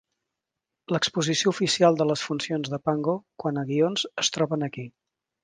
L'exposició oficial de les funcions de Pango quant a guions es troben aquí.